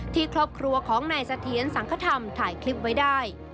ที่ครอบครัวของในสังครรภ์ทำถ่ายคลิปไว้ได้